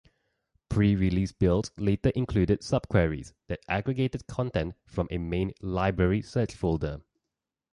Pre-release builds later included subqueries that aggregated content from a main "Library" Search Folder.